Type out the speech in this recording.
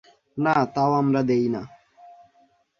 না তাও আমরা দেই না।